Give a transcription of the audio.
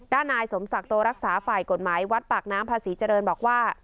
ด้านนายสมศักดิ์โตรักษาฝ่ายกฎหมายวัดปากน้ำพศบอกว่า